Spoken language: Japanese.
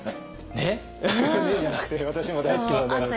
「ね！」じゃなくて私も大好きなので。